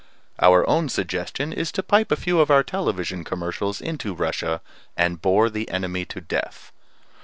Our own suggestion is to pipe a few of our television commercials into Russia and bore the enemy to death.